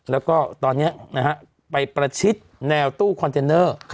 แล้วก็ตอนนี้ไปประชิดแนวตู้คอนเทนเนอร์